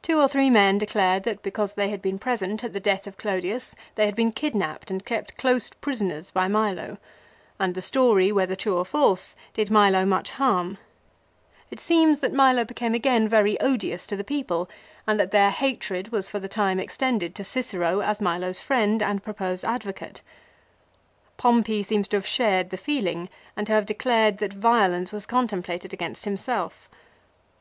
Two or three men declared that because they had been present at the death of Clodius they had been kidnapped and kept close prisoners by Milo ; and the story, whether true or false, did Milo much harm. It seems that Milo became again very odious to the people, and that their hatred was for the time extended to Cicero as Milo's friend and proposed advocate. Pompey seems to have shared the feeling and to have declared that violence was contemplated against himself.